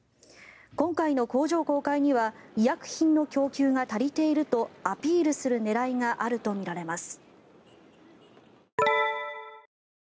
今回の工場公開には医薬品の供給が足りているとアピールする狙いがあるとみられます。